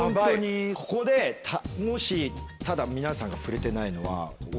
ここでもしただ皆さんが触れてないのは。